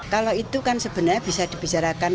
kalau itu kan sebenarnya bisa dibicarakan